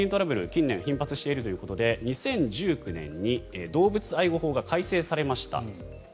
近年、頻発しているということで２０１９年に動物愛護法が改正されました。